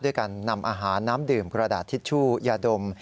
การนำอาหารน้ำดื่มกระดาษทิชชู่ยาดม